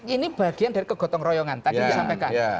ini bagian dari kegotong royongan tadi yang disampaikan